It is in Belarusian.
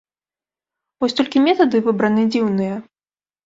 Вось толькі метады выбраны дзіўныя.